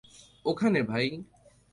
ওখানে, ভাই।